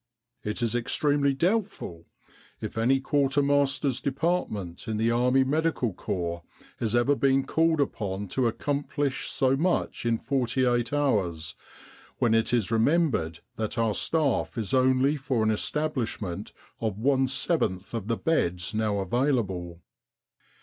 "It is extremely doubtful if any quartermaster's department in the Army Medical Corps has ever been called upon to accomplish so much in forty eight hours, when it is remembered that our staff is only for an establishment of one seventh of the beds now available.